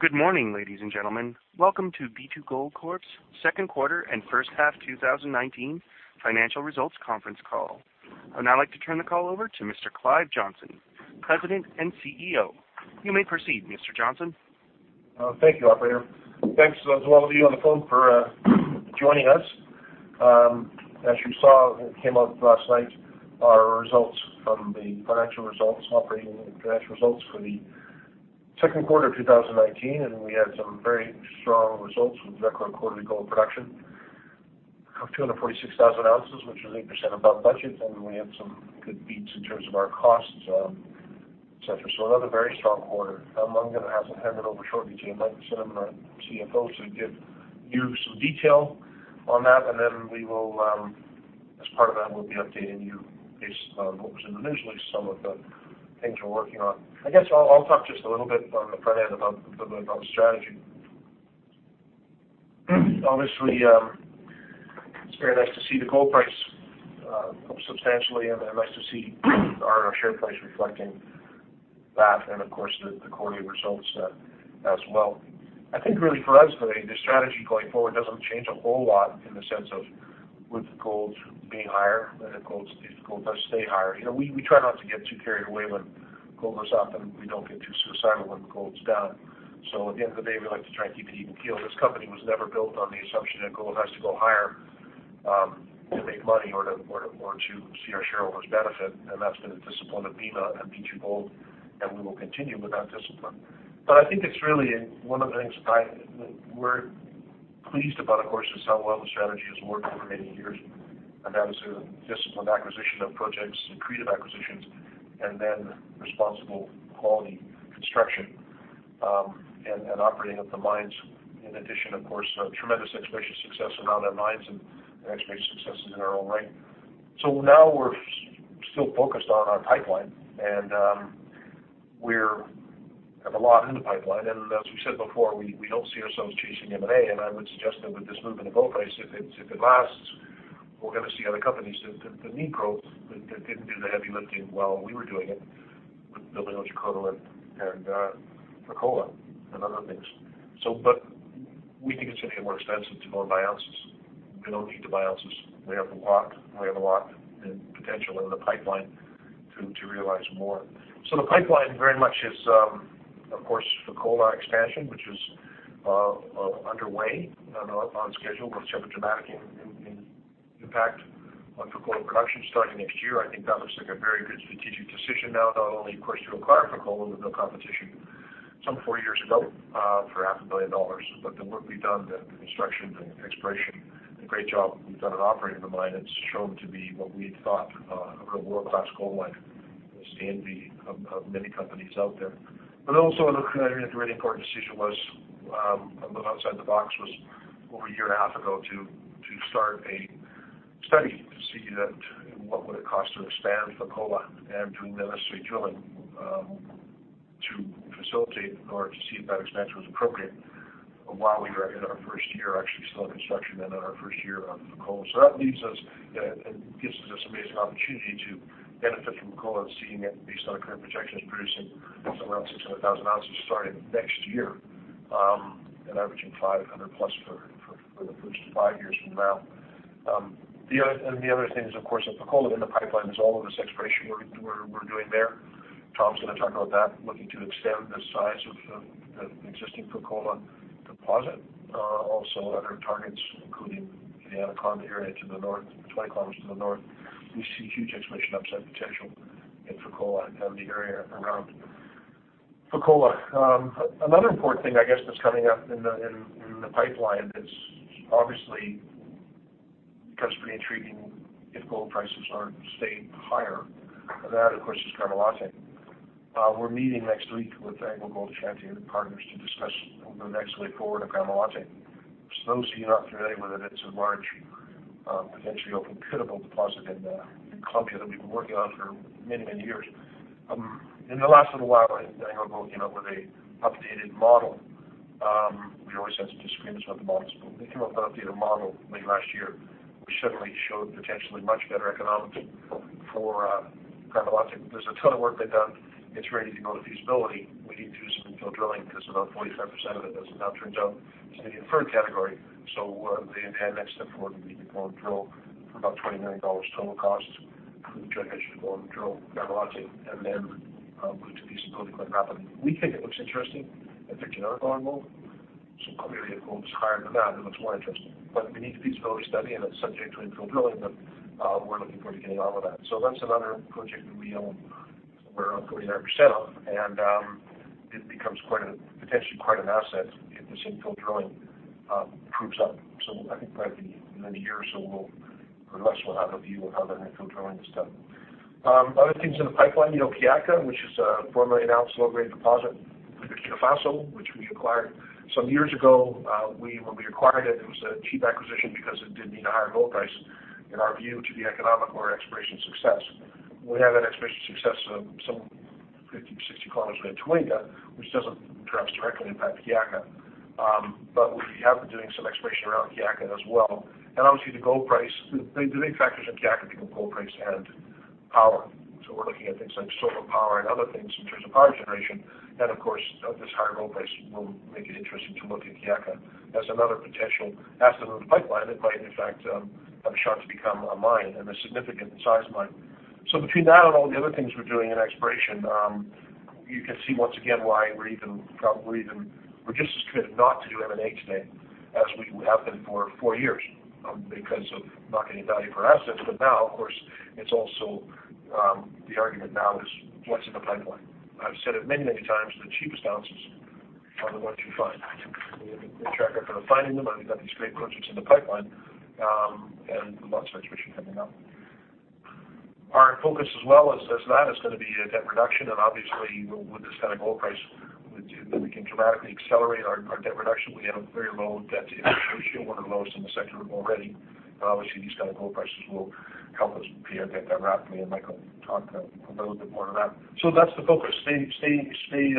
Good morning, ladies and gentlemen. Welcome to B2Gold Corp's second quarter and first half 2019 financial results conference call. I'd now like to turn the call over to Mr. Clive Johnson, President and CEO. You may proceed, Mr. Johnson. Thank you, operator. Thanks to all of you on the phone for joining us. As you saw, it came out last night, our results from the financial results, operating and financial results for the second quarter of 2019, and we had some very strong results with record quarterly gold production of 246,000 ounces, which is 8% above budget. We had some good beats in terms of our costs, et cetera. Another very strong quarter. I'm going to have it handed over shortly to Mike Cinnamond, our CFO, to give you some detail on that, and then as part of that, we'll be updating you based on what was individually some of the things we're working on. I guess I'll talk just a little bit on the front end about the strategy. It's very nice to see the gold price up substantially and nice to see our share price reflecting that, and of course, the quarterly results as well. I think really for us, the strategy going forward doesn't change a whole lot in the sense of with gold being higher and if gold does stay higher. We try not to get too carried away when gold goes up, we don't get too suicidal when gold's down. At the end of the day, we like to try to keep an even keel. This company was never built on the assumption that gold has to go higher to make money or to see our shareholders benefit, that's been the discipline of Mina and B2Gold, we will continue with that discipline. I think it's really one of the things we're pleased about, of course, is how well the strategy has worked over many years. That is a disciplined acquisition of projects, accretive acquisitions, and then responsible quality construction and operating of the mines, in addition, of course, tremendous exploration success around our mines and exploration successes in their own right. Now we're still focused on our pipeline and we have a lot in the pipeline, and as we said before, we don't see ourselves chasing M&A, and I would suggest that with this move in the gold price, if it lasts, we're going to see other companies that need growth that didn't do the heavy lifting while we were doing it with Fekola and other things. We think it's going to get more expensive to go and buy ounces. We don't need to buy ounces. We have a lot and potential in the pipeline to realize more. The pipeline very much is, of course, Fekola expansion, which is underway and on schedule, which have a dramatic impact on Fekola production starting next year. I think that looks like a very good strategic decision now, not only, of course, to acquire Fekola with no competition some four years ago for half a billion dollars, but the work we've done, the construction, the exploration, the great job we've done at operating the mine, it's shown to be what we had thought, a real world-class gold mine, the envy of many companies out there. Also another really important decision was a bit outside the box was over a year and a half ago to start a study to see what would it cost to expand Fekola and doing the necessary drilling to facilitate or to see if that expansion was appropriate while we were in our first year actually still in construction and in our first year of Fekola. That leaves us and gives us this amazing opportunity to benefit from Fekola and seeing it based on our current projections producing around 600,000 ounces starting next year and averaging 500 plus for the first five years from now. The other thing is, of course, at Fekola in the pipeline is all of this exploration work we're doing there. Tom's going to talk about that, looking to extend the size of the existing Fekola deposit. Also other targets, including the Anaconda area to the north, 20 km to the north. We see huge exploration upside potential in Fekola and the area around Fekola. Another important thing, I guess, that's coming up in the pipeline that obviously becomes pretty intriguing if gold prices stay higher. That, of course, is Gramalote. We're meeting next week with AngloGold Ashanti and partners to discuss the next way forward at Gramalote. For those of you not familiar with it's a large potentially open-pittable deposit in Colombia that we've been working on for many years. In the last little while, AngloGold came out with an updated model. They came up with an updated model late last year, which certainly showed potentially much better economics for Gramalote. There's a ton of work been done. It's ready to go to feasibility. We need to do some infill drilling because about 45% of it, as it now turns out, is in the inferred category. The next step forward will be to go and drill for about $29 total cost. I think the intention is to go and drill Gramalote and then move to feasibility quite rapidly. We think it looks interesting. I think you know gold. Clearly, if gold is higher than that, it looks more interesting. We need the feasibility study, and it's subject to infill drilling, but we're looking forward to getting on with that. That's another project that we own somewhere around 49% of, and it becomes potentially quite an asset if this infill drilling proves up. I think by the end of the year or so, more or less, we'll have a view of how that infill drilling is done. Other things in the pipeline, Kiaka, which is a formerly announced low-grade deposit with Burkina Faso, which we acquired some years ago. When we acquired it was a cheap acquisition because it did need a higher gold price, in our view, to be economic or exploration success. We had that exploration success some 50, 60 kilometers away at Toega, which doesn't perhaps directly impact Kiaka. We have been doing some exploration around Kiaka as well. Obviously, the big factors in Kiaka being gold price and power. We're looking at things like solar power and other things in terms of power generation. Of course, this higher gold price will make it interesting to look at Kiaka as another potential asset in the pipeline that might, in fact, have a shot to become a mine, and a significant size mine. Between that and all the other things we're doing in exploration, you can see once again why we're just as committed not to do M&A today as we have been for four years, because of not getting value for assets. Now, of course, the argument now is what's in the pipeline. I've said it many times, the cheapest ounces are the ones you find. We have a good track record of finding them, and we've got these great projects in the pipeline, and a lot of exploration coming up. Our focus as well as that is going to be debt reduction, and obviously, with this kind of gold price, we can dramatically accelerate our debt reduction. We have a very low debt-to-EBITDA ratio, one of the lowest in the sector already. Obviously, these kind of gold prices will help us pay down debt rapidly, and Mike will talk a little bit more to that. That's the focus. Stay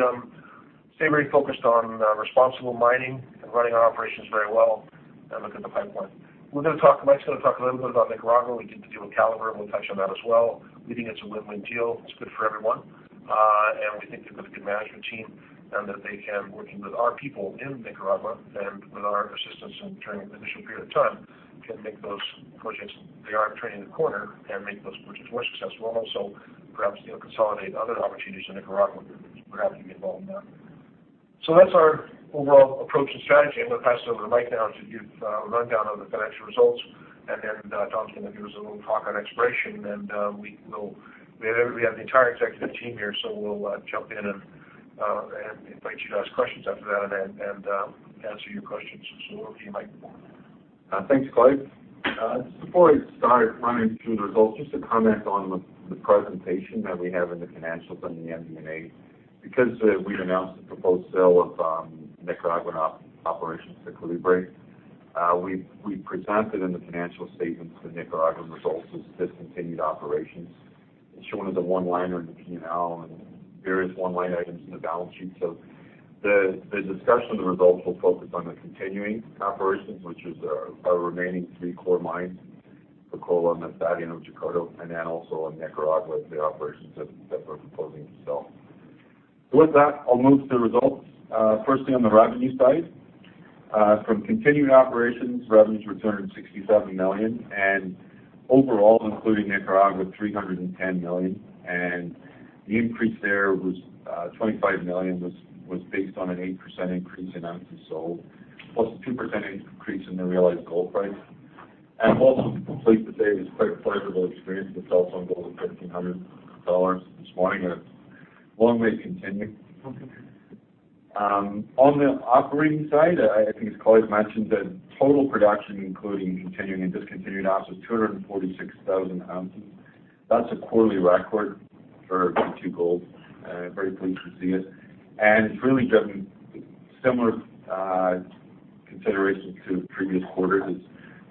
very focused on responsible mining and running our operations very well and look at the pipeline. Mike's going to talk a little bit about Nicaragua. We did the deal with Calibre, and we'll touch on that as well. We think it's a win-win deal. It's good for everyone. We think they've got a good management team and that they can, working with our people in Nicaragua and with our assistance during the initial period of time, they are turning the corner and make those projects more successful, and also perhaps consolidate other opportunities in Nicaragua that we're happy to be involved in there. That's our overall approach and strategy. I'm going to pass it over to Mike now to give a rundown of the financial results, and then Tom will give us a little talk on exploration. We have the entire executive team here, so we'll jump in and invite you to ask questions after that and answer your questions. Over to you, Mike. Thanks, Clive. Just before I start running through the results, just a comment on the presentation that we have in the financials on the MD&A. Because we announced the proposed sale of Nicaragua operations to Calibre Mining, we presented in the financial statements the Nicaragua results as discontinued operations. It's shown as a one-liner in the P&L and various one-line items in the balance sheet. The discussion of the results will focus on the continuing operations, which is our remaining three core mines, Fekola, Masbate, Otjikoto, and also in Nicaragua, the operations that we're proposing to sell. With that, I'll move to the results. Firstly, on the revenue side. From continued operations, revenues were $267 million, and overall, including Nicaragua, $310 million. The increase there was $25 million, was based on an 8% increase in ounces sold, plus a 2% increase in the realized gold price. I'm also pleased to say it was quite a pleasurable experience to tell someone gold was $1,500 this morning, and it's long may it continue. On the operating side, I think as Clive mentioned, the total production, including continuing and discontinued ounces, 246,000 ounces. That's a quarterly record for B2Gold. Very pleased to see it. It's really driven similar consideration to previous quarters as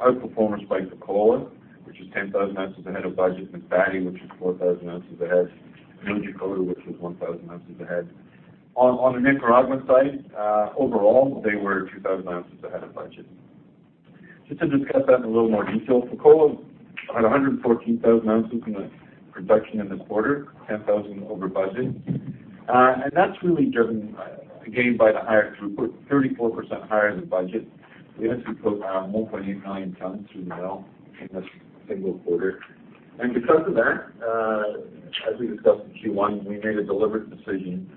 out-performance by Fekola, which is 10,000 ounces ahead of budget, Masbate, which is 4,000 ounces ahead, and Otjikoto, which was 1,000 ounces ahead. On the Nicaragua side, overall, they were 2,000 ounces ahead of budget. Just to discuss that in a little more detail, Fekola had 114,000 ounces in the production in the quarter, 10,000 over budget. That's really driven, again, by the higher throughput, 34% higher than budget. We actually put 1.8 million tons through the mill in this single quarter. Because of that, as we discussed in Q1, we made a deliberate decision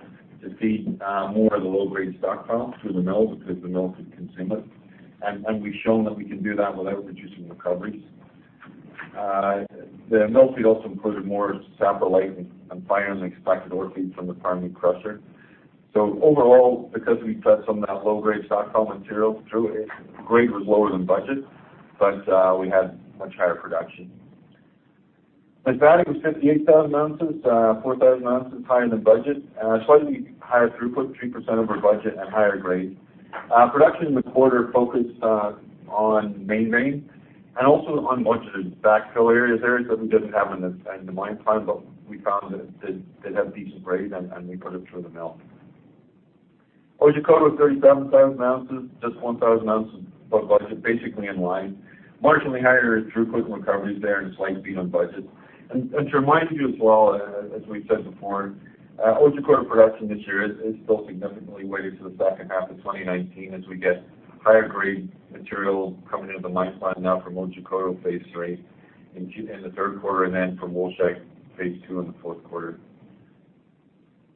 to feed more of the low-grade stockpile through the mill because the mill could consume it, and we've shown that we can do that without reducing recoveries. The mill feed also included more saprolite and finer than expected ore feed from the primary crusher. Overall, because we put some of that low-grade stockpile material through it, grade was lower than budget, but we had much higher production. Masbate was 58,000 ounces, 4,000 ounces higher than budget, and a slightly higher throughput, 3% over budget and higher grade. Production in the quarter focused on Main Vein and also on budget backfill areas there that we didn't have in the mine plan, but we found that they'd have decent grade and we put it through the mill. Otjikoto, 37,000 ounces, just 1,000 ounces above budget, basically in line. Marginally higher throughput and recoveries there and a slight beat on budget. To remind you as well, as we've said before, Otjikoto production this year is still significantly weighted to the second half of 2019 as we get higher grade material coming into the mine plan now from Otjikoto phase 3 in the third quarter and then from Wolfshag phase 2 in the fourth quarter.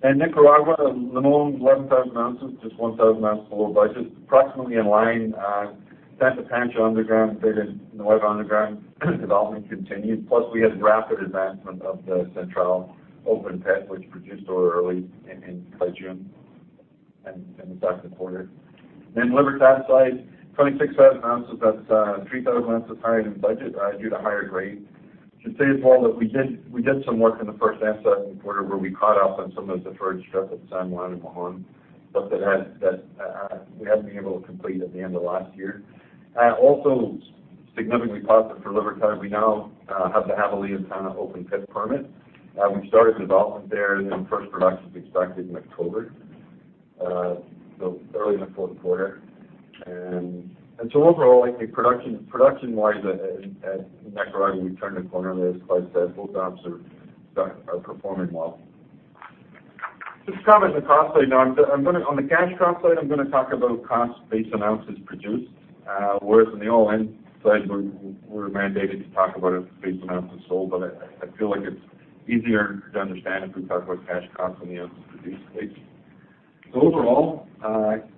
In Nicaragua, Limón, 11,000 ounces, just 1,000 ounces below budget, approximately in line. Santa Pancha underground and Frijol Negro underground development continued, plus we had rapid advancement of the Central open pit, which produced ore early in June in the second quarter. La Libertad, 26,000 ounces. That's 3,000 ounces higher than budget due to higher grade. I should say as well that we did some work in the first half of the quarter where we caught up on some of the deferred stuff at San Juan and Limón, stuff that we hadn't been able to complete at the end of last year. Significantly positive for Libertad. Javier Lima ] Javier Lima open pit permit. First production is expected in October, so early in the fourth quarter. Overall, I think production-wise in Nicaragua, we've turned a corner there. As Clive said, both ops are performing well. Just comment on the cost side now. On the cash cost side, I'm going to talk about cost base ounces produced, whereas on the all-in side, we're mandated to talk about it base ounces sold, but I feel like it's easier to understand if we talk about cash cost on the ounces produced base. Overall,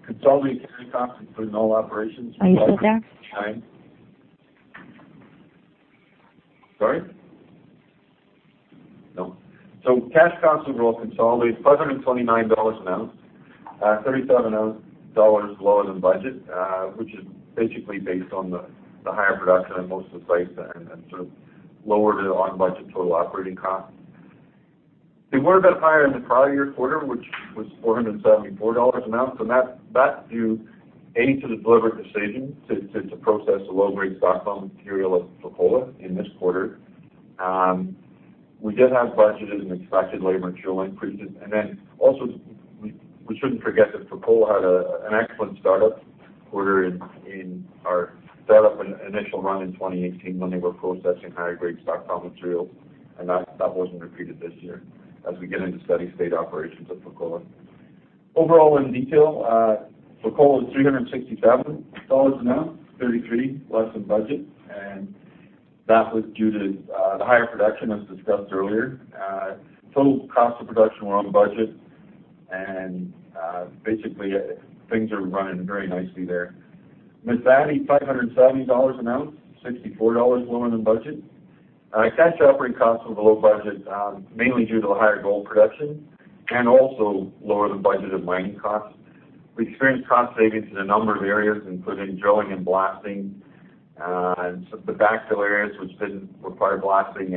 consolidated cash costs, including all operations- Are you still there? Sorry? No. Cash costs overall consolidated, $529 an ounce, $37 lower than budget, which is basically based on the higher production at most of the sites and then sort of lower than on-budget total operating costs. They were a bit higher in the prior year quarter, which was $474 an ounce, and that's due to the La Libertad decision to process the low-grade stockpile material at Fekola in this quarter. We did have budgeted and expected labor and chilling increases. Also, we shouldn't forget that Fekola had an excellent startup quarter in our initial run in 2018 when they were processing higher-grade stockpile materials, and that wasn't repeated this year as we get into steady state operations at Fekola. Overall, in detail, Fekola is $367 an ounce, $33 less than budget, and that was due to the higher production, as discussed earlier. Total cost of production were on budget and basically, things are running very nicely there. Masbate, $570 an ounce, $64 lower than budget. Cash operating costs were below budget, mainly due to the higher gold production and also lower than budgeted mining costs. We experienced cost savings in a number of areas, including drilling and blasting, and the backfill areas which didn't require blasting.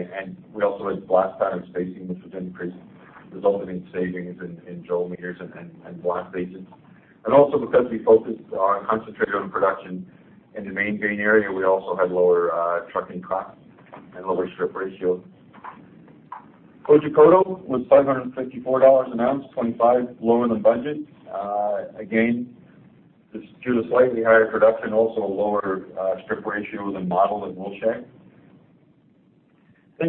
We also had blast pattern spacing, which was increased, resulting in savings in drill meters and blast agents. Also because we focused on concentrated on production in the Main Vein area, we also had lower trucking costs and lower strip ratio. Otjikoto was $554 an ounce, $25 lower than budget. Again, just due to slightly higher production, also a lower strip ratio than modeled at.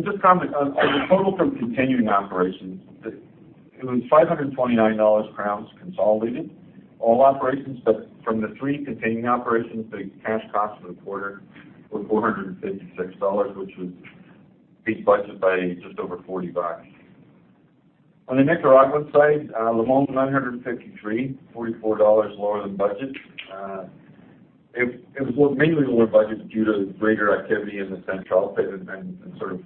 Just comment on the total from continuing operations, it was $529 per ounce consolidated, all operations, but from the three continuing operations, the cash costs for the quarter were $456, which was beat budget by just over $40. On the Nicaragua side, El Limon, $953, $44 lower than budget. It was mainly lower budget due to greater activity in the Central Pit and sort of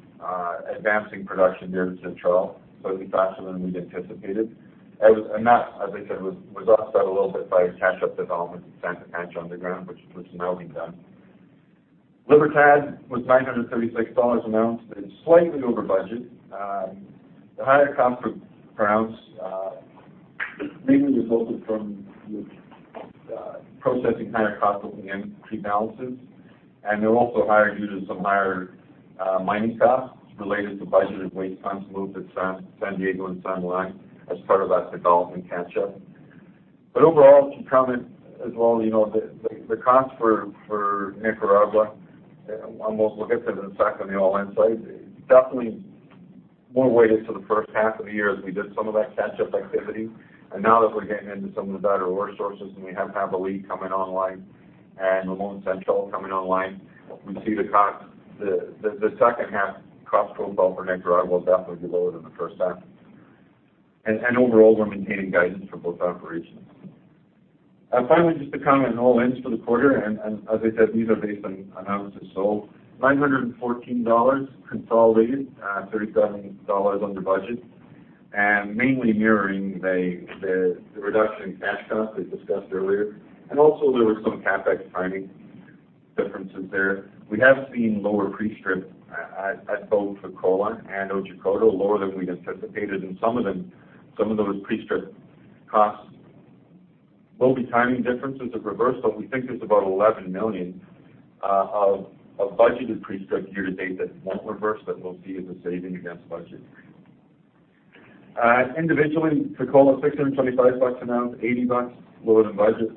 advancing production there in Central slightly faster than we'd anticipated. That, as I said, was offset a little bit by catch-up development at Santa Pancha underground, which is now being done. La Libertad was $936 an ounce, slightly over budget. The higher cost per ounce mainly resulted from processing higher cost open pit ounces, and they're also higher due to some higher mining costs related to budgeted waste tons moved at San Diego and San Juan as part of that development catch-up. Overall, to comment as well, the costs for Nicaragua, I'll mostly get to the effect on the all-in sustaining cost, definitely more weighted to the first half of the year as we did some of that catch-up activity. Now that we're getting into some of the better ore sources, and we have Javier Lima coming online and Limon Central coming online, we see the second half cost profile for Nicaragua will definitely be lower than the first half. Overall, we're maintaining guidance for both operations. Finally, just to comment on all-ins for the quarter, As I said, these are based on ounces sold, $914 consolidated, $37 under budget, and mainly mirroring the reduction in cash costs I discussed earlier. Also there were some CapEx timing differences there. We have seen lower pre-strip at both Fekola and Otjikoto, lower than we'd anticipated, and some of those pre-strip costs will be timing differences of reversal. We think there's about $11 million of budgeted pre-strip year to date that won't reverse, but we'll see as a saving against budget. Individually, Fekola, $625 an ounce, $80 lower than budget.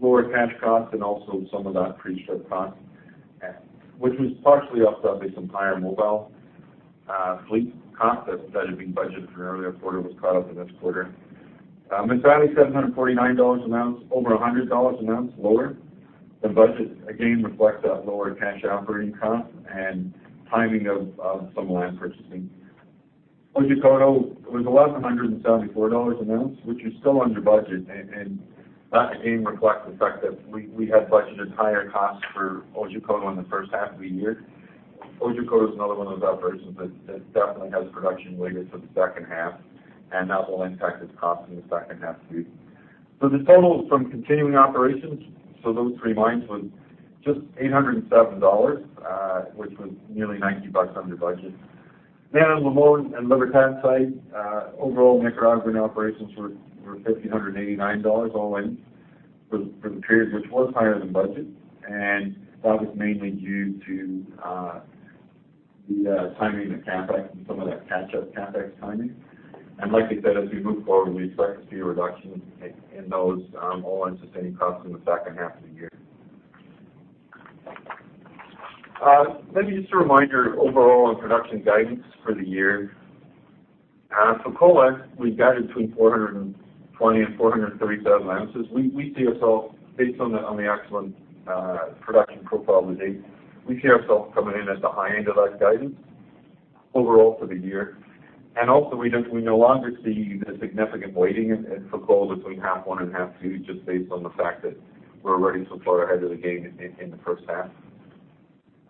Lower cash costs and also some of that pre-strip cost, which was partially offset by some higher mobile fleet costs that had been budgeted for earlier quarter was caught up in this quarter. Masbate, $749 an ounce, over $100 an ounce lower than budget, again, reflects that lower cash operating cost and timing of some land purchasing. Otjikoto was $1,174 an ounce, which is still under budget, and that again reflects the fact that we had budgeted higher costs for Otjikoto in the first half of the year. Otjikoto is another one of those operations that definitely has production weighted to the second half, and that will impact its cost in the second half too. The totals from continuing operations, so those three mines was just $807, which was nearly $90 under budget. On El Limón and La Libertad site, overall Nicaraguan operations were $1,589 all in for the period, which was higher than budget. That was mainly due to the timing of CapEx and some of that catch-up CapEx timing. Like I said, as we move forward, we expect to see a reduction in those all-in sustaining costs in the second half of the year. Maybe just a reminder, overall on production guidance for the year. For Fekola, we guided between 420,000-430,000 ounces. Based on the excellent production profile to date, we see ourselves coming in at the high end of that guidance overall for the year. We no longer see the significant weighting for Fekola between half one and half two, just based on the fact that we're already so far ahead of the game in the first half.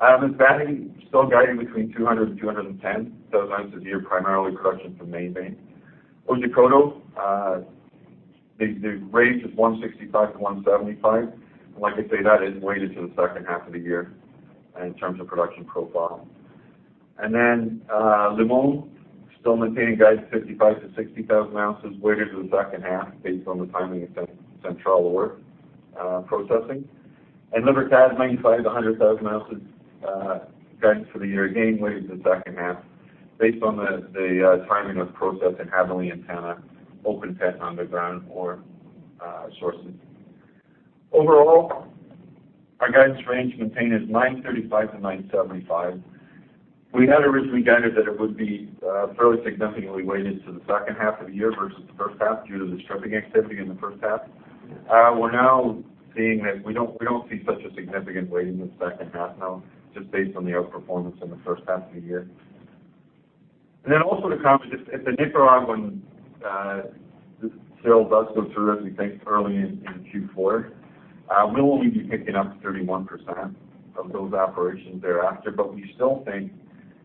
Masbate, still guiding between 200,000-210,000 ounces a year, primarily production from Main Vein. Otjikoto, the range is 165-175, and like I say, that is weighted to the second half of the year in terms of production profile. El Limón, still maintaining guidance 55,000-60,000 ounces weighted to the second half based on the timing of Central Ore processing. La Libertad Mine site, 100,000 ounces guidance for the year, again, weighted to the second half based on the timing of processing at Havilah and Toega open pit underground ore sources. Overall, our guidance range maintained is 935 to 975. We had originally guided that it would be fairly significantly weighted to the second half of the year versus the first half due to the stripping activity in the first half. We don't see such a significant weighting in the second half now, just based on the outperformance in the first half of the year. Also to comment, if the Nicaraguan sale does go through, as we think, early in Q4, we will only be picking up 31% of those operations thereafter. We still think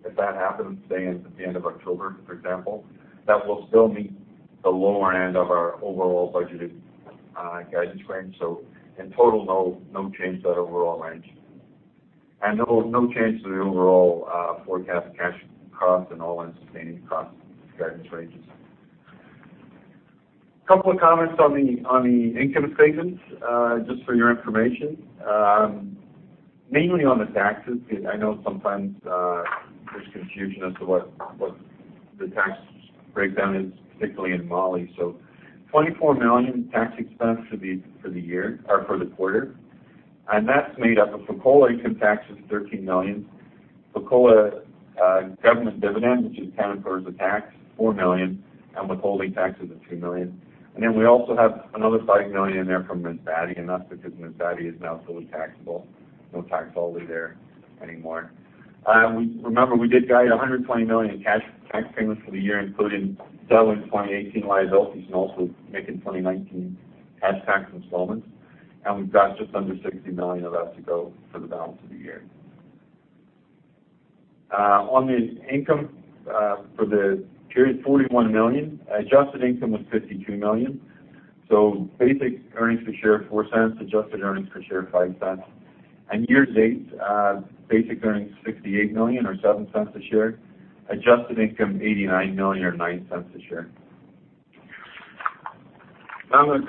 if that happens, say at the end of October, for example, that we'll still meet the lower end of our overall budgeted guidance range. In total, no change to that overall range. No change to the overall forecast cash cost and all-in sustaining cost guidance ranges. Couple of comments on the income statement, just for your information. Mainly on the taxes, because I know sometimes there's confusion as to what the tax breakdown is, particularly in Mali. $24 million tax expense for the quarter, and that's made up of Fekola income taxes, $13 million. Fekola government dividend, which is counted towards the tax, $4 million, and withholding taxes of $2 million. We also have another $5 million in there from Masbate, and that's because Masbate is now fully taxable, no tax holiday there anymore. Remember, we did guide $120 million in cash tax payments for the year, including settling 2018 liabilities and also making 2019 cash tax installments, and we've got just under $60 million of that to go for the balance of the year. On the income for the period, $41 million. Adjusted income was $52 million. Basic earnings per share, $0.04. Adjusted earnings per share, $0.05. Year to date, basic earnings, $68 million or $0.07 a share. Adjusted income, $89 million or $0.09 a share. Now I'm going to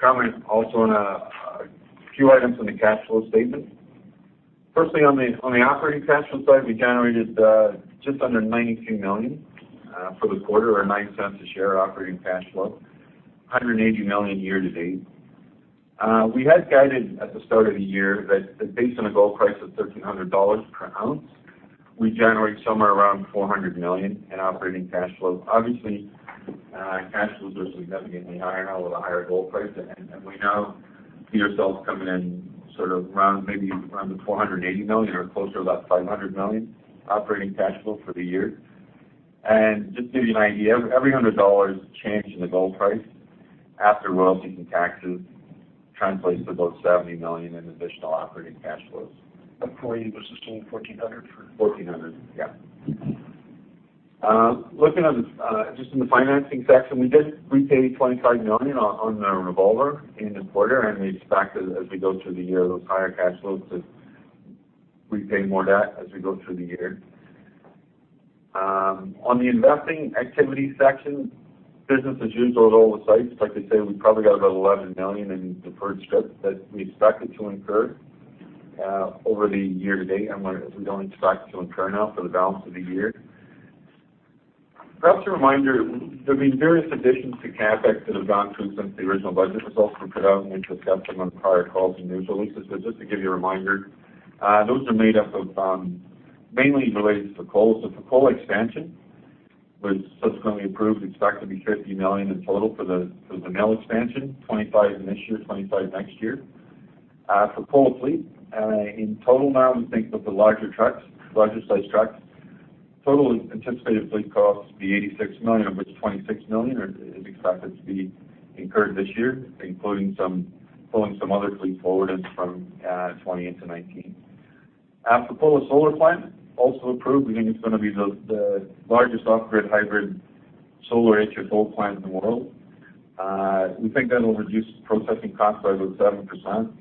comment also on a few items on the cash flow statement. Firstly, on the operating cash flow side, we generated just under $92 million for the quarter or $0.09 a share operating cash flow, $180 million year to date. We had guided at the start of the year that based on a gold price of $1,300 per ounce, we generate somewhere around $400 million in operating cash flows. Obviously, cash flow is significantly higher now with a higher gold price, we now see ourselves coming in maybe around the $480 million or closer to about $500 million operating cash flow for the year. Just to give you an idea, every $100 change in the gold price after royalties and taxes translates to about $70 million in additional operating cash flows. That's for you versus total $1,400. 1,400. Yeah. Just in the financing section, we did repay $25 million on the revolver in the quarter. We expect as we go through the year, those higher cash flows to repay more debt as we go through the year. On the investing activity section, business as usual at all the sites. Like I say, we probably got about $11 million in deferred strips that we expected to incur over the year to date. We don't expect to incur now for the balance of the year. Perhaps a reminder, there have been various additions to CapEx that have gone through since the original budget results were put out. We've discussed them on prior calls and news releases. Just to give you a reminder, those are mainly related to Fekola. Fekola expansion, which subsequently approved, is expected to be $50 million in total for the mill expansion, $25 million this year, $25 million next year. Fekola fleet, in total now we think that the larger size trucks, total anticipated fleet cost will be $86 million, of which $26 million is expected to be incurred this year, including pulling some other fleet forward from 2020 into 2019. Fekola solar plant, also approved. We think it's going to be the largest off-grid hybrid solar HFO plant in the world. We think that'll reduce processing costs by about 7%,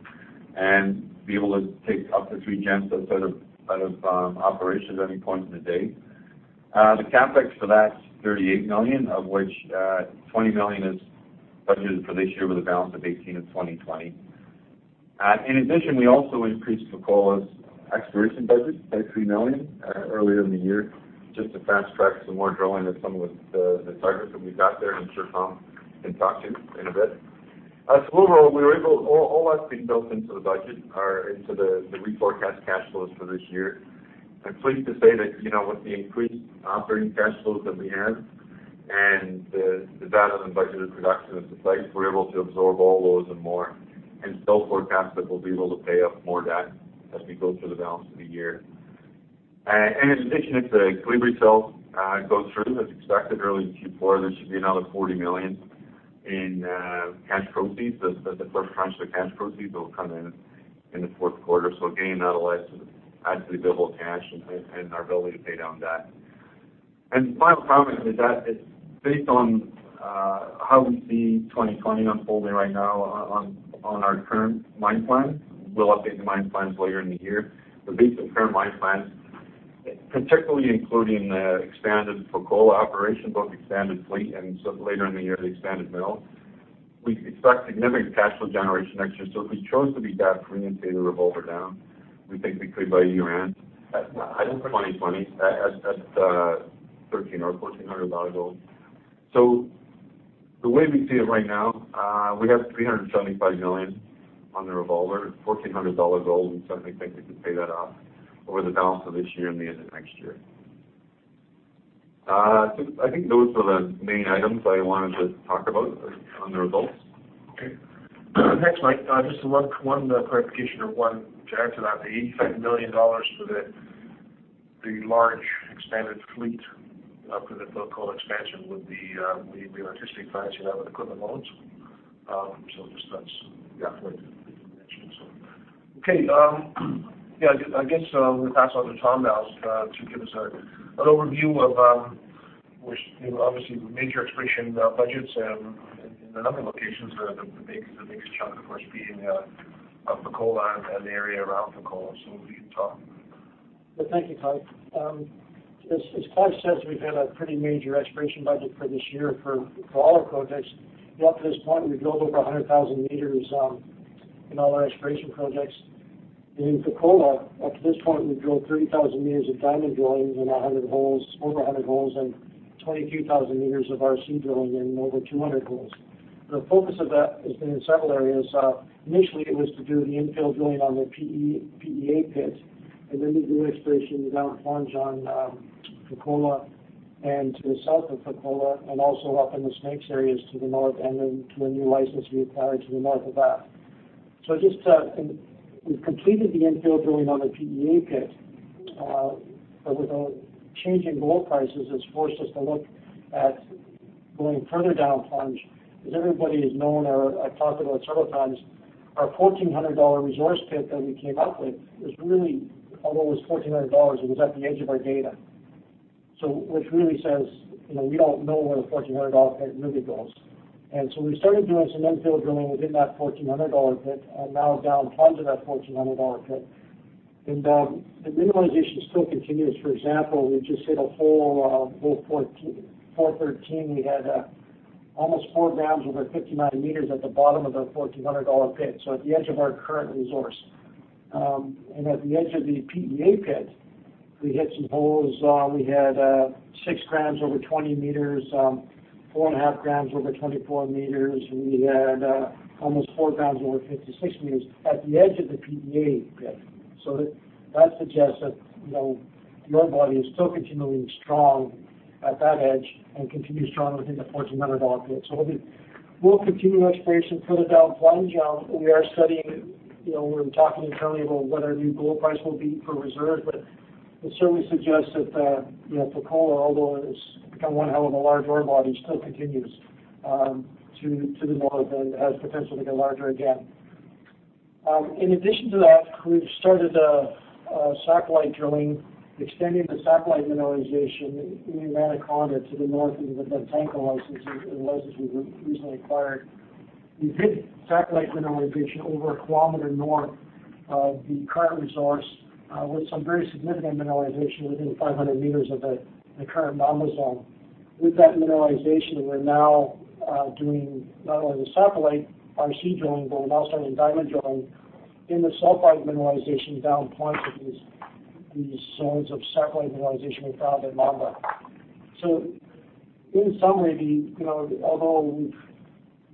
and be able to take up to three gens out of operations at any point in the day. The CapEx for that is $38 million, of which $20 million is budgeted for this year, with a balance of $18 million in 2020. We also increased Fekola's exploration budget by $3 million earlier in the year just to fast-track some more drilling at some of the targets that we've got there, I'm sure Tom can talk to you in a bit. Overall, all that's been built into the budget, or into the reforecast cash flows for this year. I'm pleased to say that with the increased operating cash flows that we have and the better-than-budgeted production at the sites, we're able to absorb all those and more, and still forecast that we'll be able to pay off more debt as we go through the balance of the year. If the Calibre sale goes through as expected early in Q4, there should be another $40 million in cash proceeds as the first tranche of cash proceeds will come in the fourth quarter. Again, that'll add to the available cash and our ability to pay down debt. Final comment is that based on how we see 2020 unfolding right now on our current mine plan, we'll update the mine plans later in the year. Based on current mine plans, particularly including the expanded Fekola operation, both expanded fleet and later in the year, the expanded mill, we expect significant cash flow generation next year. If we chose to be debt-free and pay the revolver down, we think we could by year-end, by 2020, at $1,300 or $1,400 gold. The way we see it right now, we have $375 million on the revolver at $1,400 gold, I think we can pay that off over the balance of this year and the end of next year. I think those are the main items I wanted to talk about on the results. Okay. Thanks, Mike. Just one clarification or one to add to that, the $85 million for the large expanded fleet for the Fekola expansion would be asset financing that with equipment loans. Yeah the dimension. Okay. Yeah, I guess I'm going to pass on to Tom now to give us an overview of, obviously, the major exploration budgets in a number of locations, the biggest chunk, of course, being Fekola and the area around Fekola. If you can talk. Well, thank you, Clive. As Clive says, we've had a pretty major exploration budget for this year for all our projects. Up to this point, we drilled over 100,000 meters in all our exploration projects. In Fekola, up to this point, we drilled 30,000 meters of diamond drilling in over 100 holes and 22,000 meters of RC drilling in over 200 holes. The focus of that has been in several areas. Initially, it was to do the infill drilling on the PEA pit, then to do exploration down plunge on Fekola and to the south of Fekola, also up in the Snakes areas to the north, then to a new license we acquired to the north of that. We've completed the infill drilling on the PEA pit. With the change in gold prices, it's forced us to look at going further down plunge. As everybody has known, or I've talked about several times, our $1400 resource pit that we came up with was really, although it was $1400, it was at the edge of our data. Which really says, we don't know where the $1400 pit really goes. We started doing some infill drilling within that $1400 pit, and now down plunge of that $1400 pit, and the mineralization still continues. For example, we just hit a hole 413. We had almost four grams over 59 meters at the bottom of our $1400 pit, so at the edge of our current resource. At the edge of the PEA pit, we hit some holes. We had six grams over 20 meters, four and a half grams over 24 meters. We had almost four grams over 56 meters at the edge of the PEA pit. That suggests that the ore body is still continually strong at that edge and continues strong within the $1,400 pit. We'll continue exploration further down plunge. We are studying, we're talking internally about what our new gold price will be for reserve, but it certainly suggests that Fekola, although it has become one hell of a large ore body, still continues to the north and has potential to get larger again. In addition to that, we've started satellite drilling, extending the satellite mineralization in Anaconda to the north into the Bantako license, a license we've recently acquired. We've hit satellite mineralization over a kilometer north of the current resource, with some very significant mineralization within 500 meters of the current Mamba zone. With that mineralization, we're now doing not only the satellite RC drilling, but we're also doing diamond drilling in the sulfide mineralization down-plunge of these zones of satellite mineralization we found at Mamba. In summary, although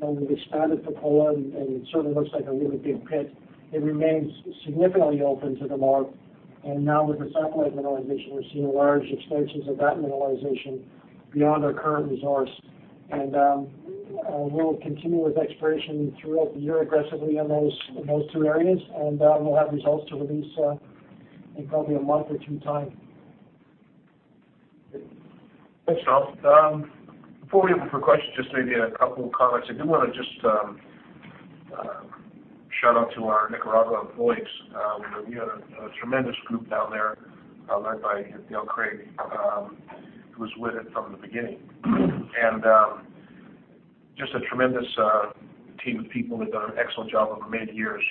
we've expanded Fekola and it certainly looks like a really big pit, it remains significantly open to the north. Now with the satellite mineralization, we're seeing large expansions of that mineralization beyond our current resource. We'll continue with exploration throughout the year aggressively in those two areas, and we'll have results to release in probably a month or two time. Thanks, Tom. Before we open for questions, just maybe a couple comments. I do want to shout out to our Nicaragua employees. We had a tremendous group down there led by Dale Craig, who was with it from the beginning. Just a tremendous team of people that done an excellent job over many years.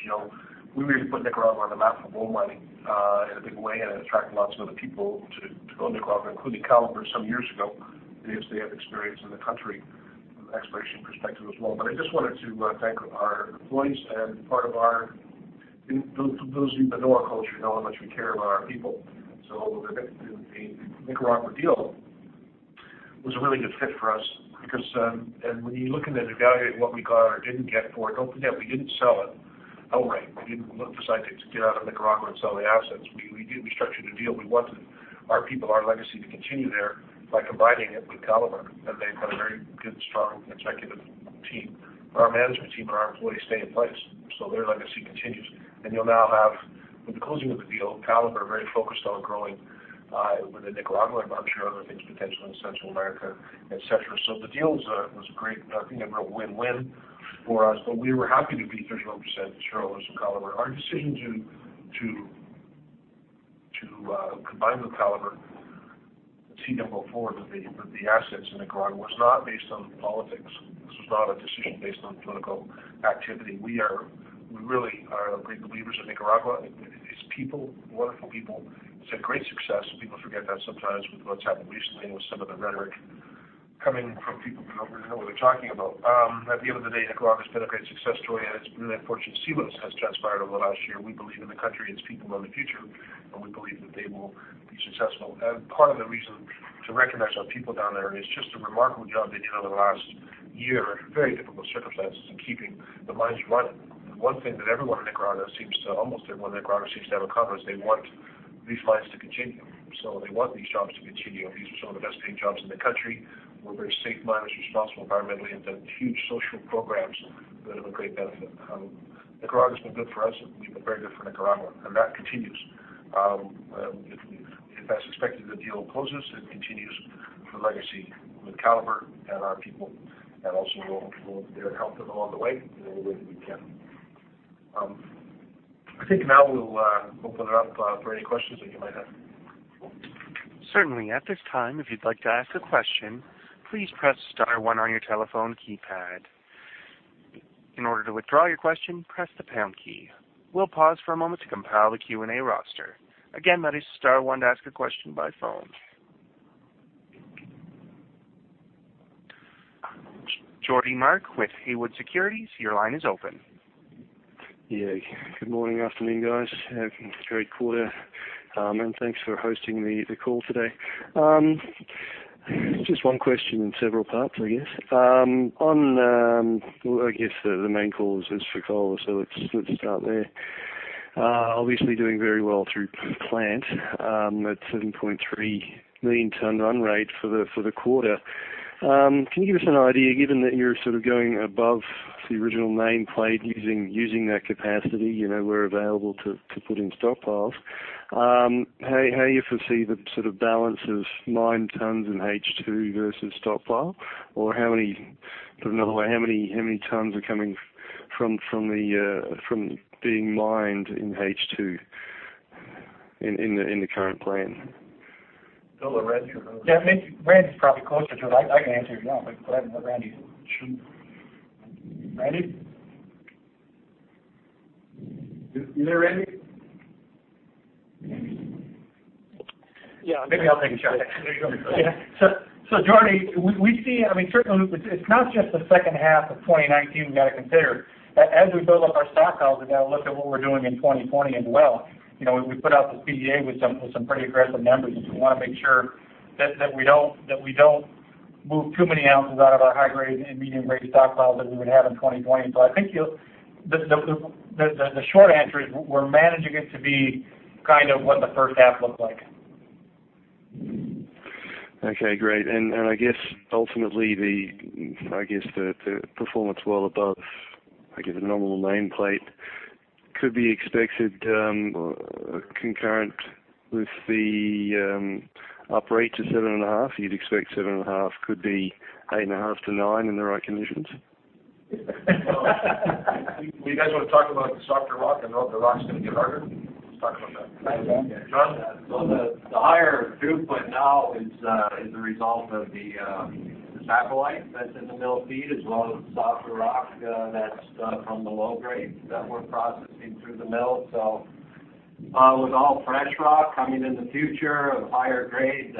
We really put Nicaragua on the map for gold mining in a big way, it attracted lots of other people to go Nicaragua, including Calibre some years ago, obviously they have experience in the country from exploration perspective as well. I just wanted to thank our employees. Those who know our culture know how much we care about our people. The Nicaragua deal was a really good fit for us because when you look at it, evaluate what we got or didn't get for it, don't forget, we didn't sell it outright. We didn't decide to get out of Nicaragua and sell the assets. We structured a deal. We wanted our people, our legacy to continue there by combining it with Calibre. They've got a very good, strong executive team. Our management team, our employees stay in place, so their legacy continues. You'll now have, with the closing of the deal, Calibre very focused on growing within Nicaragua and I'm sure other things potentially in Central America, et cetera. The deal was a great, I think a real win-win for us. We were happy to be 31% shareholders of Calibre. Our decision to combine with Calibre and see them go forward with the assets in Nicaragua was not based on politics. This was not a decision based on political activity. We really are great believers in Nicaragua, its people, wonderful people. It's had great success, people forget that sometimes with what's happened recently with some of the rhetoric coming from people who don't really know what they're talking about. At the end of the day, Nicaragua's been a great success story, and its unfortunate silos has transpired over the last year. We believe in the country, its people and the future, and we believe that they will be successful. Part of the reason to recognize our people down there is just the remarkable job they did over the last year, very difficult circumstances in keeping the mines running. One thing that almost everyone in Nicaragua seems to have in common is they want these mines to continue. They want these jobs to continue. These are some of the best paying jobs in the country. We're very safe miners, responsible environmentally, and done huge social programs that have a great benefit. Nicaragua's been good for us, and we've been very good for Nicaragua, and that continues. If as expected, the deal closes, it continues the legacy with Calibre and our people and also we'll help them along the way in any way that we can. I think now we'll open it up for any questions that you might have. Certainly. At this time, if you'd like to ask a question, please press star one on your telephone keypad. In order to withdraw your question, press the pound key. We'll pause for a moment to compile the Q&A roster. Again, that is star one to ask a question by phone. Jordy Mark with Haywood Securities, your line is open. Good morning, afternoon, guys. Great quarter. Thanks for hosting the call today. Just one question in several parts, I guess. I guess the main focus is Fekola. Let's start there. Obviously doing very well through plant, at 7.3 million tons run rate for the quarter. Can you give us an idea, given that you're sort of going above the original nameplate using that capacity, where available to put in stockpiles, how you foresee the sort of balance of mined tons in H2 versus stockpiles? Put another way, how many tons are coming from being mined in H2 in the current plan? Bill or Randy? Yeah, Randy's probably closer to it. I can answer if you want, but go ahead and let Randy. Sure. Randy? You there, Randy? Yeah, maybe I'll take a shot. There you go., we see, certainly it's not just the second half of 2019 we've got to consider. As we build up our stockpiles, we've got to look at what we're doing in 2020 as well. We put out the PEA with some pretty aggressive numbers, we want to make sure that we don't move too many ounces out of our high grade and medium grade stockpiles than we would have in 2020. I think the short answer is we're managing it to be kind of what the first half looked like. Okay, great. Ultimately the performance well above the normal nameplate could be expected concurrent with the up rate to 7.5. You'd expect 7.5, could be 8.5 to 9 in the right conditions? You guys want to talk about the softer rock and how the rock's going to get harder? Let's talk about that. Go ahead, Jordy. Jordy? The higher throughput now is a result of the saprolite that's in the mill feed, as well as the softer rock that's from the low grade that we're processing through the mill. With all fresh rock coming in the future of higher grade,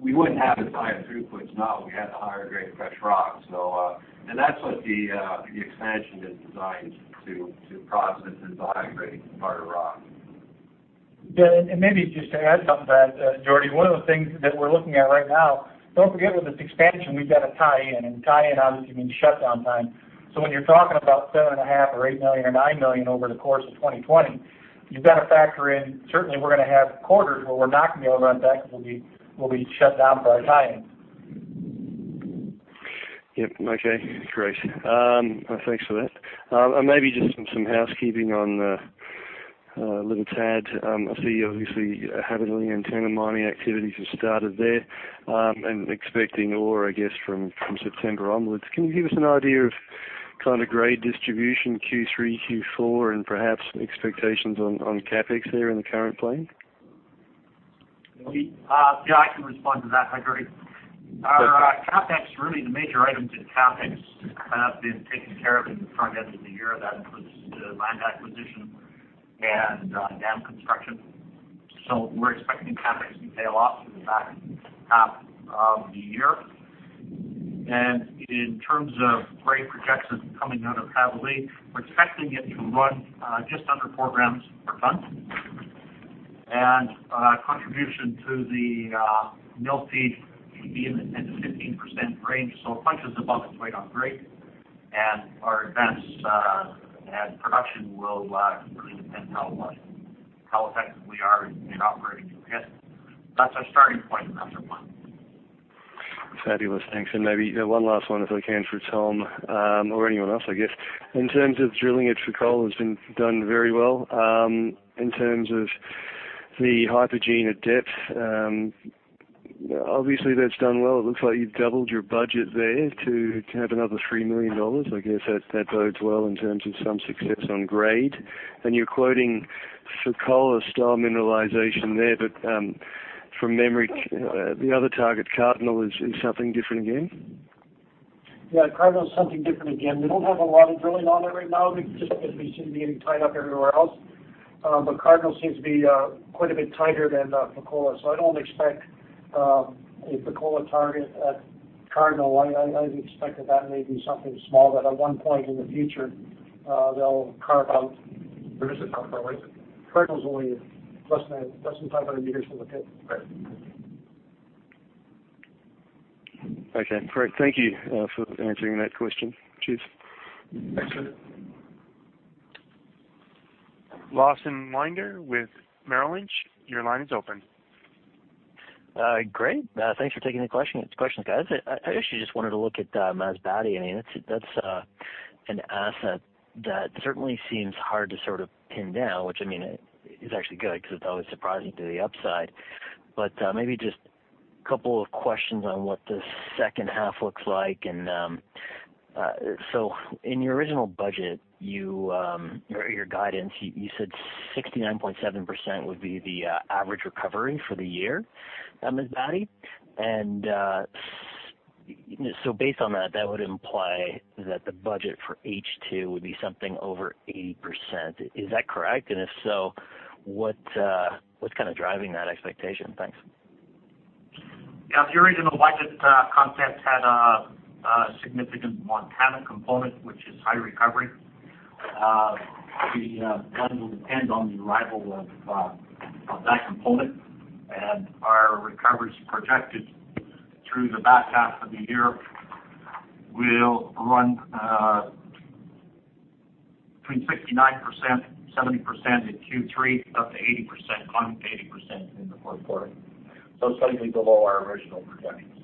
We wouldn't have as high a throughput, if not we had the higher grade fresh rock. That's what the expansion is designed to process, is the high grade part of rock. Yeah, maybe just to add something to that, Jordy, one of the things that we're looking at right now, don't forget with this expansion, we've got a tie-in, and tie-in obviously means shutdown time. When you're talking about seven and a half or $8 million or $9 million over the course of 2020, you've got to factor in, certainly we're going to have quarters where we're not going to be able to run that because we'll be shut down for our tie-in. Yep, okay. Great. Thanks for that. Maybe just some housekeeping. I see you obviously have the Yeah, I can respond to that, Jordy. Perfect. CapEx, really the major items in CapEx have been taken care of in the front end of the year. That includes the land acquisition and dam construction. We're expecting CapEx to tail off in the back half of the year. In terms of grade projections coming out of Havilly, we're expecting it to run just under four grams per tonne. Contribution to the mill feed will be in the 10%-15% range, so it punches above its weight on grade. Our advance and production will really depend how effective we are in operating it. Yes, that's our starting point, and that's our plan. Fabulous. Thanks. Maybe one last one if I can for Tom, or anyone else, I guess. In terms of drilling at Fekola, it's been done very well. In terms of the hypogene at depth, obviously that's done well. It looks like you've doubled your budget there to have another $3 million. I guess that bodes well in terms of some success on grade. You're quoting Fekola-style mineralization there, but from memory, the other target, Cardinal, is something different again? Yeah, Cardinal is something different again. We don't have a lot of drilling on it right now, just because we seem to be tied up everywhere else. Cardinal seems to be quite a bit tighter than Fekola. I don't expect a Fekola target at Cardinal. I'd expect that may be something small, but at one point in the future, they'll carve out. There is a cut, by the way. Cardinal's only less than 500 meters from the pit. Great. Okay, great. Thank you for answering that question. Cheers. Excellent. Lawson Winder with BofA Securities, your line is open. Great. Thanks for taking the questions, guys. I actually just wanted to look at Masbate. That's an asset that certainly seems hard to pin down, which is actually good because it's always surprising to the upside. Maybe just a couple of questions on what the second half looks like. In your original budget, or your guidance, you said 69.7% would be the average recovery for the year at Masbate. Based on that would imply that the budget for H2 would be something over 80%. Is that correct? If so, what's kind of driving that expectation? Thanks. The original budget concept had a significant Montana component, which is high recovery. The blend will depend on the arrival of that component, and our recovery's projected through the back half of the year will run between 69%, 70% in Q3 up to 80%, climbing to 80% in the fourth quarter. Slightly below our original projections.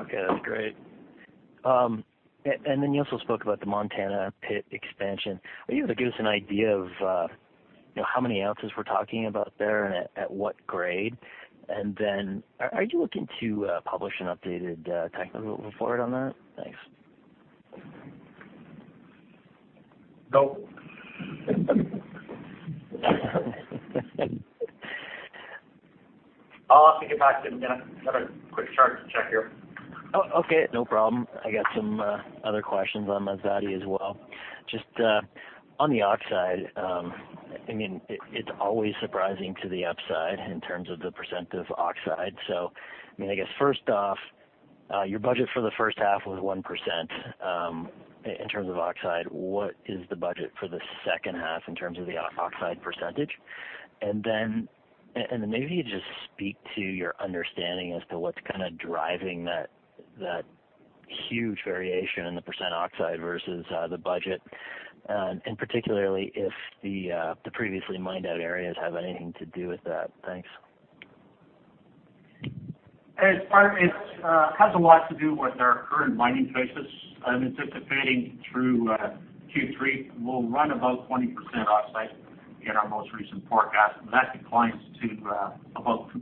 Okay, that's great. You also spoke about the Montana pit expansion. Are you able to give us an idea of how many ounces we're talking about there and at what grade? Are you looking to publish an updated technical report on that? Thanks. No. I'll have to get back to you on that. I've got a quick chart to check here. Oh, okay. No problem. I got some other questions on Masbate as well. Just on the oxide, it's always surprising to the upside in terms of the percent of oxide. I guess first off, your budget for the first half was 1%, in terms of oxide. What is the budget for the second half in terms of the oxide percentage? Then maybe you just speak to your understanding as to what's kind of driving that huge variation in the percent oxide versus the budget, and particularly if the previously mined out areas have anything to do with that. Thanks. It has a lot to do with our current mining phases. I'm anticipating through Q3, we will run about 20% oxide in our most recent forecast, but that declines to above 2%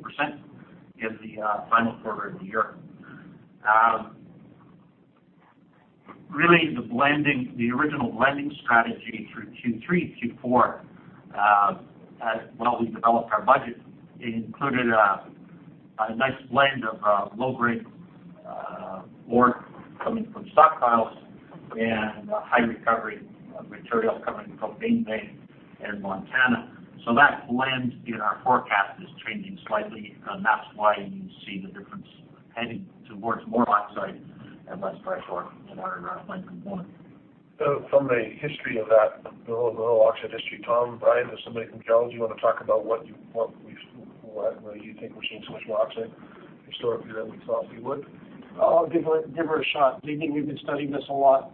in the final quarter of the year. Really, the original blending strategy through Q3, Q4, as well we developed our budget, it included a nice blend of low-grade ore coming from stockpiles and high recovery materials coming from Vangay and Montana. That blend in our forecast is changing slightly, and that's why you see the difference heading towards more oxide and less pyrite ore in our blend component. From a history of that, the whole oxide history, Tom, Brian, as somebody from geology, do you want to talk about why you think we're seeing so much oxide historically than we thought we would? I'll give it a shot. We've been studying this a lot.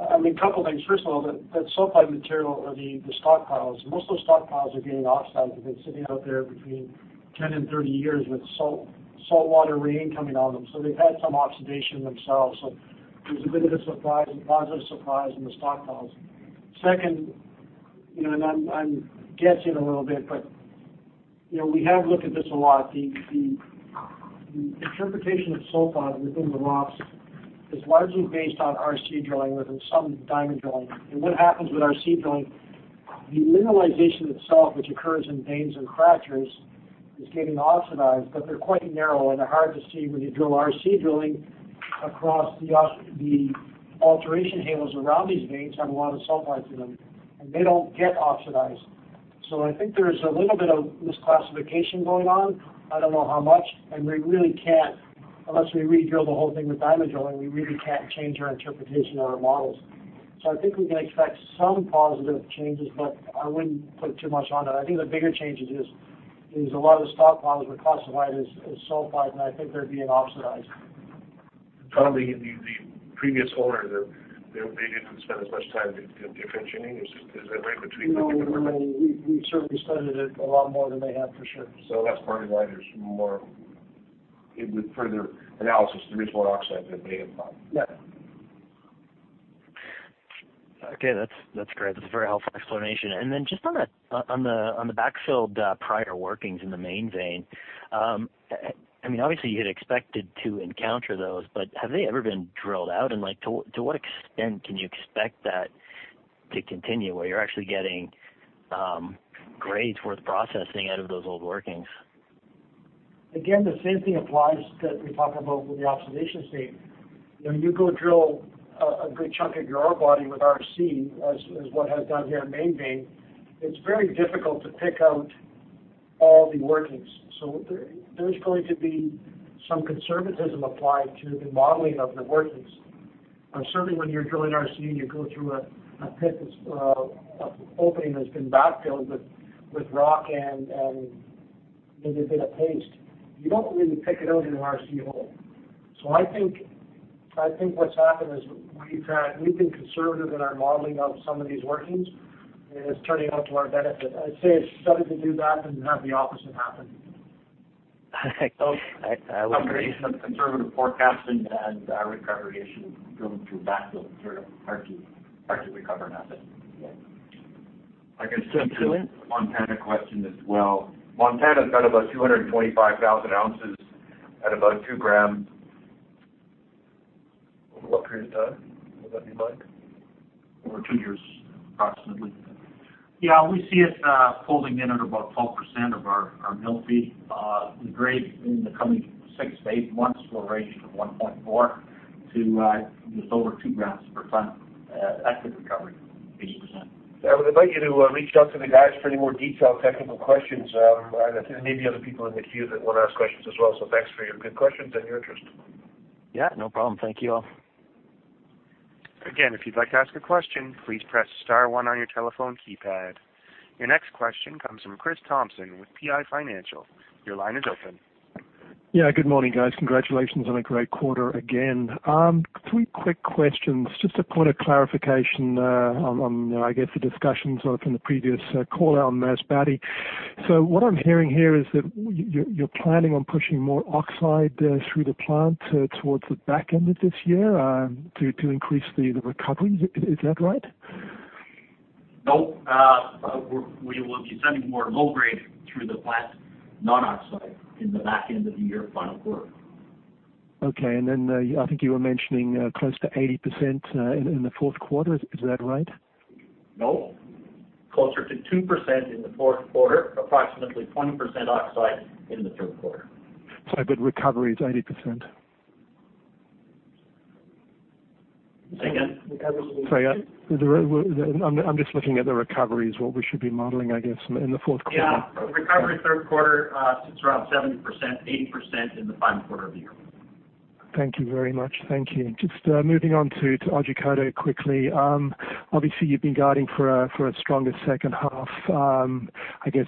A couple things. First of all, that sulfide material or the stockpiles, most of those stockpiles are getting oxidized. They've been sitting out there between 10 and 30 years with saltwater rain coming on them. They've had some oxidation themselves. There's a bit of a surprise, a positive surprise in the stockpiles. Second, I'm guessing a little bit, but we have looked at this a lot. The interpretation of sulfide within the rocks is largely based on RC drilling rather than some diamond drilling. What happens with RC drilling, the mineralization itself, which occurs in veins and fractures, is getting oxidized, but they're quite narrow, and they're hard to see when you drill RC drilling across the alteration halos around these veins have a lot of sulfide to them. They don't get oxidized. I think there's a little bit of misclassification going on. I don't know how much, and we really can't, unless we redrill the whole thing with diamond drilling, we really can't change our interpretation or our models. I think we can expect some positive changes, but I wouldn't put too much on it. I think the bigger change is a lot of the stockpiles were classified as sulfide, and I think they're being oxidized. Probably the previous owners, they didn't spend as much time differentiating. Is that right? No. We've certainly studied it a lot more than they have, for sure. That's part of why With further analysis, there is more oxide than they had thought. Yeah. Okay, that's great. That's a very helpful explanation. Just on the backfill prior workings in the Main Vein. Obviously you had expected to encounter those, have they ever been drilled out? To what extent can you expect that to continue, where you're actually getting grades worth processing out of those old workings? The same thing applies that we talk about with the oxidation state. When you go drill a good chunk of your ore body with RC, as what has done here in Main Vein, it's very difficult to pick out all the workings. There's going to be some conservatism applied to the modeling of the workings. Certainly when you're drilling RC and you go through a pit that's opening that's been backfilled with rock and maybe a bit of paste, you don't really pick it out in an RC hole. I think what's happened is we've been conservative in our modeling of some of these workings, and it's turning out to our benefit. I'd say it's silly to do that and have the opposite happen. I would agree. Some conservative forecasting and recovery issue going through backfill, sort of hard to recover an asset. Yeah. I can speak to the Montana question as well. Montana's got about 225,000 ounces at about two gram. Over what period of time, would that be, Mike? Over two years, approximately. Yeah, we see it pulling in at about 12% of our mill feed. The grade in the coming six to eight months will range from 1.4 to just over two grams per tonne at the recovery, 80%. I would invite you to reach out to the guys for any more detailed technical questions. There may be other people in the queue that want to ask questions as well. Thanks for your good questions and your interest. Yeah, no problem. Thank you all. Again, if you'd like to ask a question, please press *1 on your telephone keypad. Your next question comes from Chris Tom with PI Financial. Your line is open. Yeah. Good morning, guys. Congratulations on a great quarter again. Three quick questions. Just a point of clarification on the discussions from the previous call on Masbate. What I'm hearing here is that you're planning on pushing more oxide through the plant towards the back end of this year to increase the recovery. Is that right? No, we will be sending more low-grade through the plant, non-oxide, in the back end of the year, final quarter. Okay, I think you were mentioning close to 80% in the fourth quarter. Is that right? No. Closer to 2% in the fourth quarter, approximately 20% oxide in the third quarter. Sorry, recovery is 80%? Say again? Sorry. I'm just looking at the recovery is what we should be modeling, I guess, in the fourth quarter. Yeah. Recovery third quarter sits around 70%, 80% in the final quarter of the year. Thank you very much. Thank you. Just moving on to Otjikoto quickly. Obviously, you've been guiding for a stronger second half. I guess,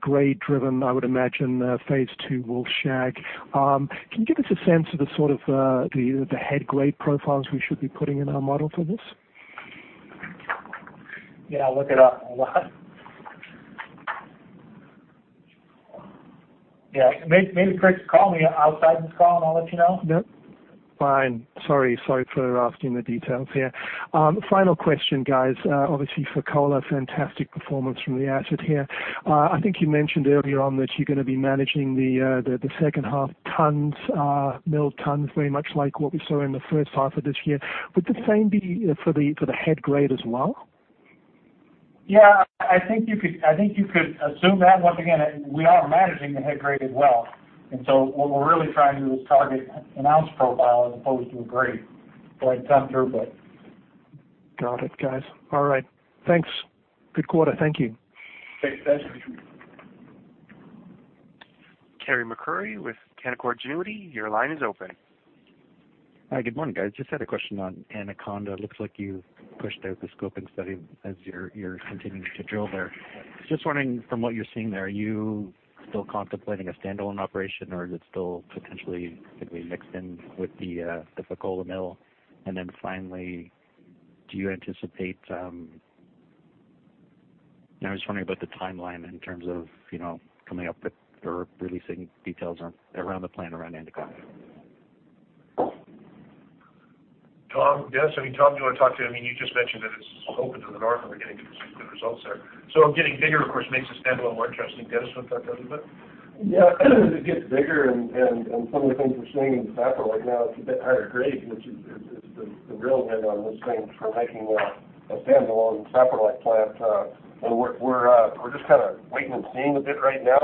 grade driven, I would imagine, phase 2 Wolfshag. Can you give us a sense of the sort of the head grade profiles we should be putting in our model for this? Yeah, I'll look it up. Yeah, maybe Chris, call me outside this call and I'll let you know? Yep. Fine. Sorry for asking the details here. Final question, guys. Obviously for Fekola, fantastic performance from the asset here. I think you mentioned earlier on that you're going to be managing the second half tons, milled tons, very much like what we saw in the first half of this year. Would the same be for the head grade as well? Yeah, I think you could assume that. Once again, we are managing the head grade as well. What we're really trying to do is target an ounce profile as opposed to a grade going down through. Got it, guys. All right. Thanks. Good quarter. Thank you. Thanks. Carey MacRury with Canaccord Genuity, your line is open. Hi. Good morning, guys. Just had a question on Anaconda. Looks like you've pushed out the scoping study as you're continuing to drill there. Just wondering from what you're seeing there, are you still contemplating a standalone operation, or is it still potentially going to be mixed in with the Fekola mill? I was wondering about the timeline in terms of coming up with or releasing details around the plan around Anaconda. Tom, yes. I mean, Tom, do you want to talk to it? You just mentioned that it's open to the north and we're getting good results there. Getting bigger, of course, makes a standalone more interesting. Dennis, want to talk to that a bit? Yeah. As it gets bigger and some of the things we're seeing in the saprolite right now, it's a bit higher grade, which is the real handle on this thing for making a standalone saprolite-like plant. We're just kind of waiting and seeing a bit right now.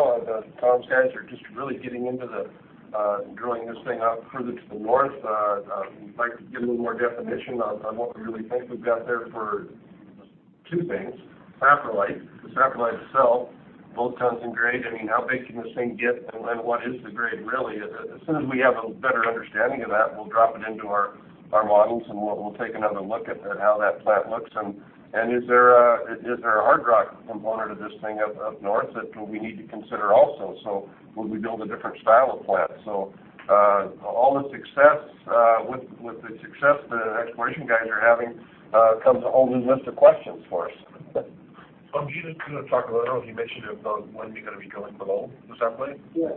Tom's guys are just really getting into the drilling this thing out further to the north. We'd like to get a little more definition on what we really think we've got there for two things, saprolite, the saprolite itself, both tons and grade. I mean, how big can this thing get and then what is the grade really? As soon as we have a better understanding of that, we'll drop it into our models, and we'll take another look at how that plant looks. Is there a hard rock component of this thing up north that we need to consider also? Would we build a different style of plant? With the success the exploration guys are having, comes a whole new list of questions for us. Tom, do you just want to talk a little, if you mentioned about when you're going to be going below the saprolite? Yeah.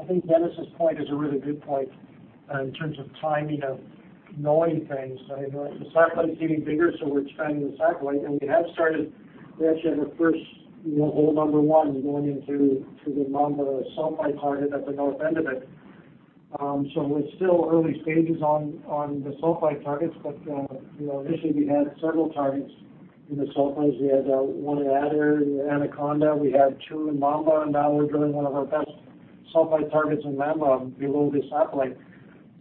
I think Dennis's point is a really good point in terms of timing of knowing things. The saprolite is getting bigger, so we're expanding the saprolite, and we have started, we actually have our first hole number 1 going into the Mamba sulfide target at the north end of it. We're still early stages on the sulfide targets, but initially we had several targets in the sulfides. We had one at Adder, the Anaconda, we had two in Mamba, and now we're drilling one of our best sulfide targets in Mamba below the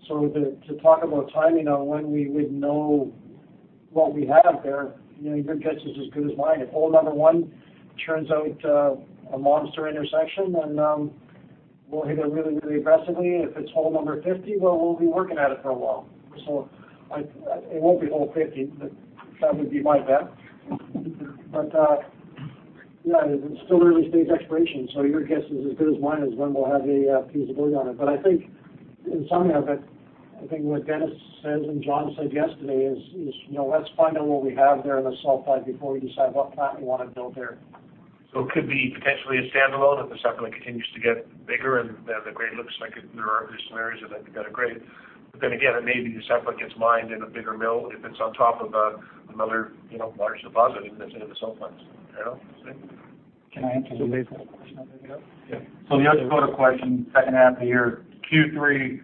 saprolite. To talk about timing on when we would know what we have there, your guess is as good as mine. If hole number 1 turns out a monster intersection, we'll hit it really, really aggressively. If it's hole number 50, well, we'll be working at it for a while. It won't be hole 50, that would be my bet. Yeah, it's still early stage exploration, so your guess is as good as mine as when we'll have a feasibility on it. I think in summary of it, I think what Dennis says and John said yesterday is, let's find out what we have there in the sulfide before we decide what plant we want to build there. It could be potentially a standalone if the saprolite continues to get bigger and the grade looks like there are some areas that have got a grade. Again, it may be the saprolite gets mined in a bigger mill if it's on top of another large deposit into the sulfides. Yeah, you see? Can I answer the question? Yeah. The other quarter question, second half of year, Q3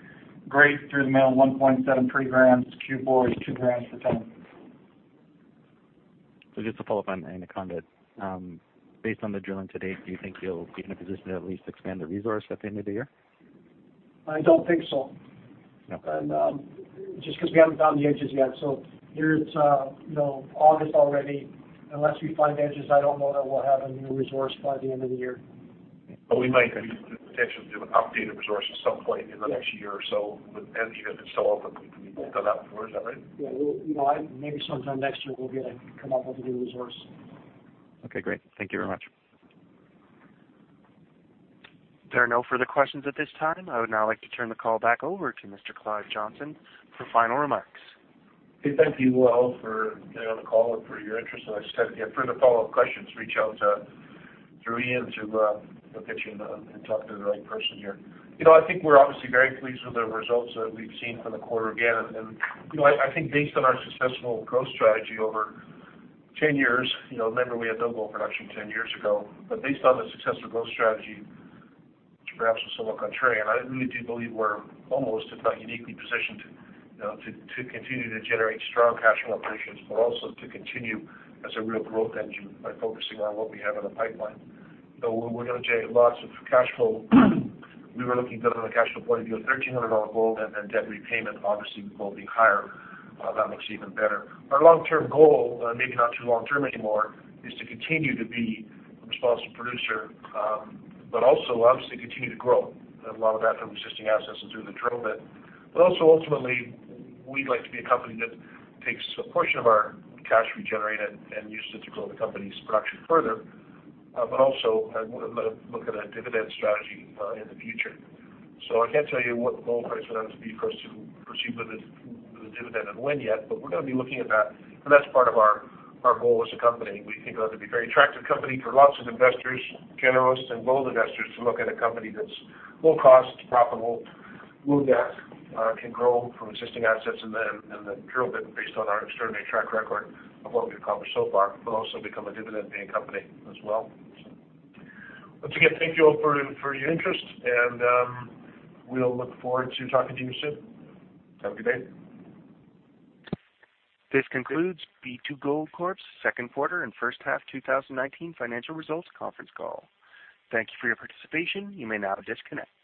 grade through the mill, 1.73 grams, Q4 is two grams per ton. Just to follow up on Anaconda. Based on the drilling to date, do you think you'll be in a position to at least expand the resource at the end of the year? I don't think so. Okay. Just because we haven't found the edges yet, so here it is August already. Unless we find edges, I don't know that we will have a new resource by the end of the year. We might potentially do an updated resource at some point in the next year or so with Anaconda, if it's still open. We've done that before. Is that right? Maybe sometime next year we'll be able to come up with a new resource. Okay, great. Thank you very much. There are no further questions at this time. I would now like to turn the call back over to Mr. Clive Johnson for final remarks. Hey, thank you all for getting on the call and for your interest. I said again, further follow-up questions, reach out through Ian to get you in touch with the right person here. I think we're obviously very pleased with the results that we've seen for the quarter again. I think based on our successful growth strategy over 10 years, remember we had no gold production 10 years ago, but based on the successful growth strategy, which perhaps was somewhat contrary, and I really do believe we're almost if not uniquely positioned to continue to generate strong cash flow operations, but also to continue as a real growth engine by focusing on what we have in the pipeline. We're going to generate lots of cash flow. We were looking at it on a cash flow point of view of $1,300 gold and then debt repayment, obviously with gold being higher, that looks even better. Our long-term goal, maybe not too long-term anymore, is to continue to be a responsible producer, but also obviously continue to grow. A lot of that from existing assets and through the drill bit. Ultimately, we'd like to be a company that takes a portion of our cash we generate and uses it to grow the company's production further. I want to look at a dividend strategy in the future. I can't tell you what the gold price would have to be for us to proceed with a dividend and when yet, but we're going to be looking at that, and that's part of our goal as a company. We think that would be a very attractive company for lots of investors, generalists, and gold investors to look at a company that's low cost, profitable, low debt, can grow from existing assets and the drill bit based on our extraordinary track record of what we've accomplished so far, but also become a dividend paying company as well. Once again, thank you all for your interest, and we'll look forward to talking to you soon. Have a good day. This concludes B2Gold Corp's second quarter and first half 2019 financial results conference call. Thank you for your participation. You may now disconnect.